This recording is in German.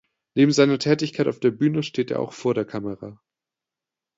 Neben seiner Tätigkeit auf der Bühne steht er auch vor der Kamera.